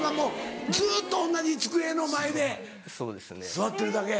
座ってるだけ。